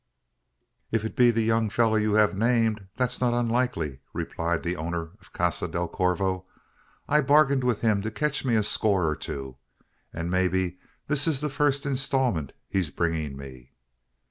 "If it be the young fellow you have named, that's not unlikely," replied the owner of Casa del Corvo. "I bargained with him to catch me a score or two; and maybe this is the first instalment he's bringing me."